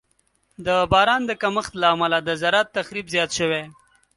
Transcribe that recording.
د باران د کمښت له امله د زراعت تخریب زیات شوی.